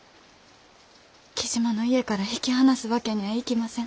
雉真の家から引き離すわけにゃあいきません。